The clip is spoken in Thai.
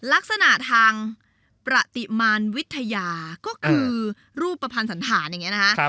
ลักษณะทางประติมารวิทยาก็คือรูปประพันธ์สันธารอย่างนี้นะคะ